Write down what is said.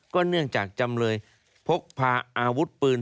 เนื่องจากจำเลยพกพาอาวุธปืน